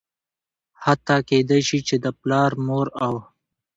حتا کيدى شي چې د پلار ،مور او